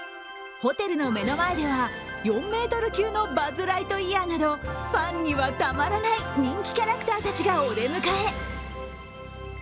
ホテルの目の前では、４ｍ級のバズ・ライトイヤーなどファンにはたまらない人気キャラクターたちがお出迎え。